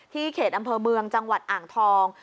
เขตอำเภอเมืองจังหวัดอ่างทอง